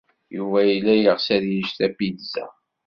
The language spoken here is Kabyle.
Yuba yella yeɣs ad yečč tapizza.